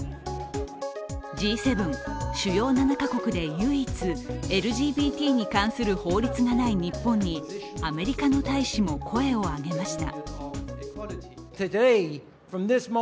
Ｇ７＝主要７か国で唯一、ＬＧＢＴに関する法律がない日本にアメリカの大使も声を上げました。